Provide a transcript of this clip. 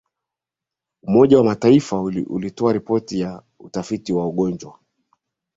umoja wa mataifa ulitoa ripoti ya utafiti wa ugonjwa